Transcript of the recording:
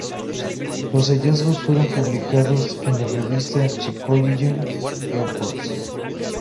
Los hallazgos fueron publicados en la revista "Psychological Reports".